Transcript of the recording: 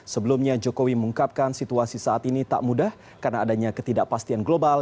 sebelumnya jokowi mengungkapkan situasi saat ini tak mudah karena adanya ketidakpastian global